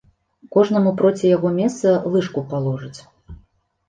Кожнаму проці яго месца лыжку паложыць.